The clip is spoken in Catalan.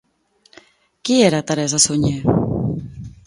Qui era Teresa Suñer?